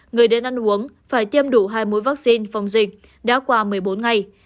người đến ăn uống phải tiêm đủ hai mũi vaccine phòng dịch đã qua một mươi bốn ngày